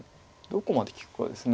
どこまで利くかです。